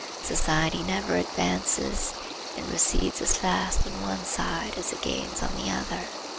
Society never advances. It recedes as fast on one side as it gains on the other.